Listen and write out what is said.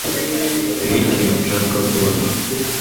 Hariho ikintu nshaka ko ubona.